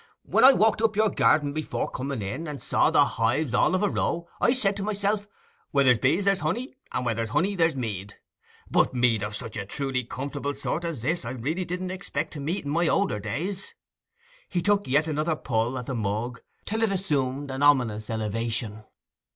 'When I walked up your garden before coming in, and saw the hives all of a row, I said to myself; "Where there's bees there's honey, and where there's honey there's mead." But mead of such a truly comfortable sort as this I really didn't expect to meet in my older days.' He took yet another pull at the mug, till it assumed an ominous elevation.